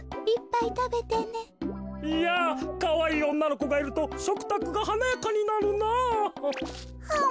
いやかわいいおんなのこがいるとしょくたくがはなやかになるなぁ。